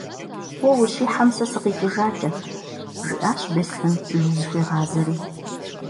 - Уэ ущихьэм, сэ сыкъикӏыжакӏэт, - жиӏащ Беслъэн Лу зыхуигъазэри.